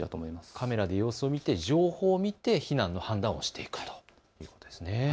カメラで様子を、情報を見て避難の判断をしていくということですね。